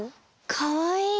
かわいい！